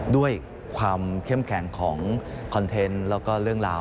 ด้วยความเข้มแข็งของคอนเทนต์แล้วก็เรื่องราว